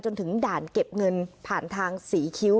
จนถึงด่านเก็บเงินผ่านทางศรีคิ้ว